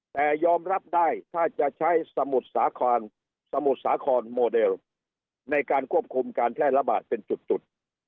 แต่ยอมรับได้ถ้าจะใช้สมุทรสาครสมุทรสาครโมเดลในการควบคุมการแพร่ระบาดเป็นจุด